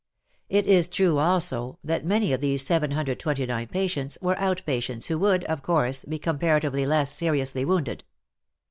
It is true also that many of these 729 patients were out patients who would, of course, be comparatively less seriously wounded.